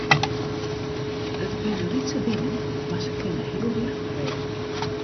It binne lytse dingen, mar se kinne heel wichtich wêze.